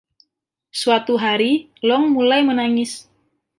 Suatu hari, Long mulai menangis.